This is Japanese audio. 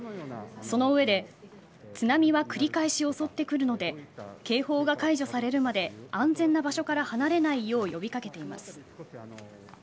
その上で津波は繰り返し襲ってくるので警報が解除されるまで安全な場所から離れないよう呼び掛けています。